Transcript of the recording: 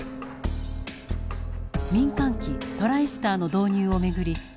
民間機トライスターの導入を巡り